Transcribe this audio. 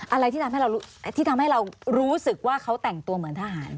อะไรที่ทำให้เรารู้สึกว่าเขาแต่งตัวเหมือนทหาร